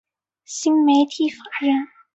新媒体法人